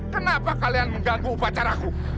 kenapa kalian mengganggu upacaraku